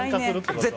絶対。